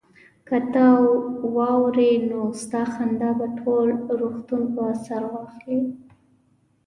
که ته واورې نو ستا خندا به ټول روغتون په سر واخلي